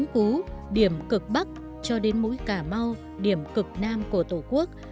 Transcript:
của tổ quốc